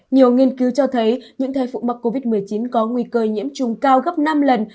nhiều nghiên cứu cho thấy những thai phụ mắc covid một mươi chín có nguy cơ nhiễm trùng cao gấp năm lần